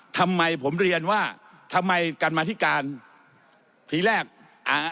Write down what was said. ทำไมผมเรียนว่าทำไมกรรมาธิการทีแรกอ่า